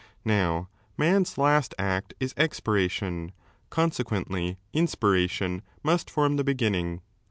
Now man's last act is expiration, conse quently inspiration must form the beginning.